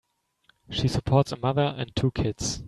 She supports a mother and two kids.